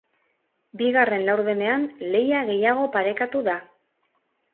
Bigarren laurdenean lehia gehiago parekatu da.